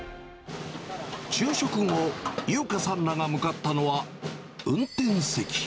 昼食後、優花さんらが向かったのは、運転席。